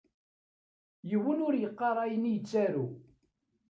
Yiwen ur iqqaṛ ayen i yettaru